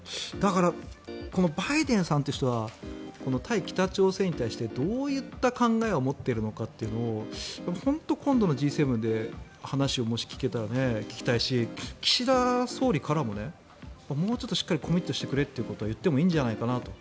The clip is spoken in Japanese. バイデンさんという人はこの対北朝鮮に対してどういった考えを持っているかというのを本当に今度のＧ７で話をもし聞けたら聞きたいし岸田総理からももうちょっとしっかりコミットしてくれということは言ってもいいんじゃないかなと。